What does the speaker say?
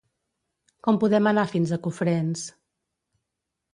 Com podem anar fins a Cofrents?